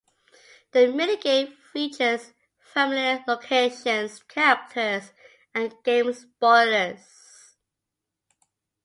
The Mini-Game features familiar locations, characters, and game spoilers.